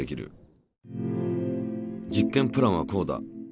実験プランはこうだ。